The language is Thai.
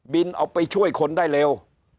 เอาไปช่วยคนได้เร็ว